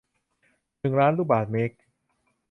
หนึ่งล้าน ลูกบาศก์เมตร